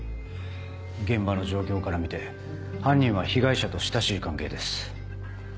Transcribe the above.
現場の状況から見て犯人は被害者と親しい関係です。